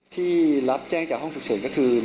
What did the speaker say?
ที่รับแจ้งจากห้องฉุกเฉินก็คือ